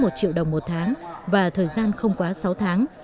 một triệu đồng một tháng và thời gian không quá sáu tháng